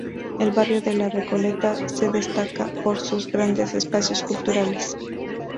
El barrio de la Recoleta se destaca por sus grandes espacios culturales.